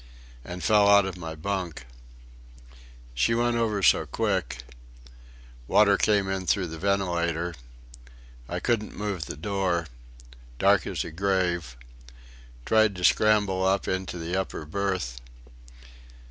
and fell out of my bunk.... She went over so quick.... Water came in through the ventilator.... I couldn't move the door... dark as a grave... tried to scramble up into the upper berth....